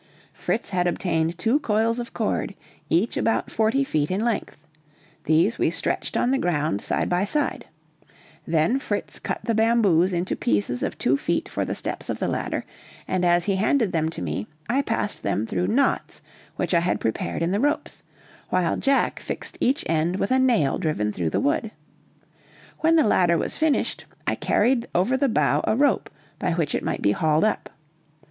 Fritz had obtained two coils of cord, each about forty feet in length; these we stretched on the ground side by side; then Fritz cut the bamboos into pieces of two feet for the steps of the ladder, and as he handed them to me, I passed them through knots which I had prepared in the ropes, while Jack fixed each end with a nail driven through the wood. When the ladder was finished, I carried over the bough a rope by which it might be hauled up.